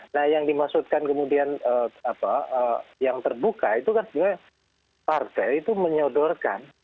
nah yang dimaksudkan kemudian yang terbuka itu kan sebenarnya partai itu menyodorkan